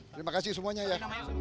terima kasih semuanya ya